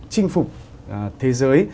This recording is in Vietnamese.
chinh phục thế giới